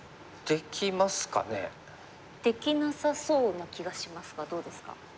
できなさそうな気がしますがどうですか？